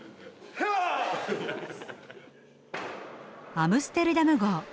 アムステルダム号。